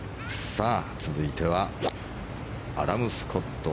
さあ、続いてはアダム・スコット